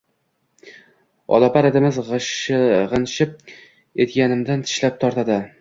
Olapar itimiz gʼinshib etagimdan tishlab tortadi.